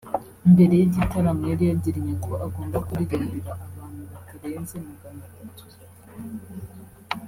Mbere y’igitaramo yari yaragennye ko agomba kuririmbira abantu batarenze magana atatu